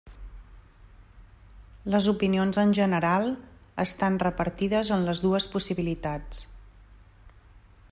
Les opinions en general estan repartides en les dues possibilitats.